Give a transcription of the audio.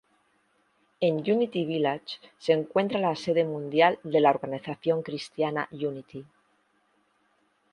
En Unity Village se encuentra la sede mundial de la organización cristiana Unity.